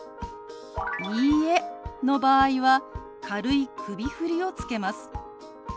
「いいえ」の場合は軽い首振りをつけます。